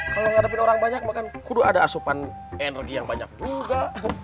kalau ngarepin orang banyak maka kan kudu ada asupan energi yang banyak juga